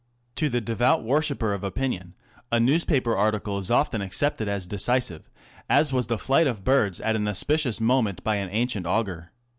To the devout worshipper of opinion a newspaper article is often accepted as decisive, as was the flight of birds at an auspicious moment by an ancient augur.